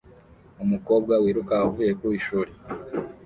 Umukobwa wiruka avuye ku ishuri